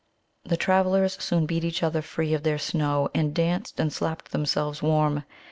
The travellers soon beat each other free of their snow, and danced and slapped themselves warm.